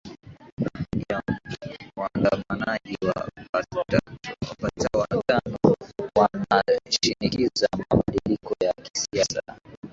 ya waandamanaji wapatao watano wanaoshinikiza mabadiliko ya kisiasa